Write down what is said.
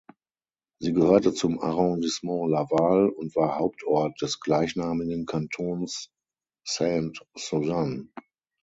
Sie gehörte zum Arrondissement Laval und war Hauptort des gleichnamigen Kantons Sainte-Suzanne.